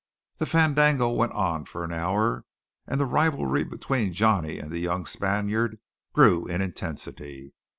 The fandango went on for an hour; and the rivalry between Johnny and the young Spaniard grew in intensity.